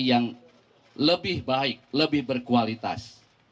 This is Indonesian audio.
yang lebih baik lebih berkualitas